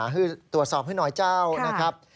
คือตรวจสอบให้หน่อยเจ้านะครับ